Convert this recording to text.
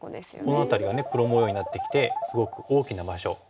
この辺りが黒模様になってきてすごく大きな場所。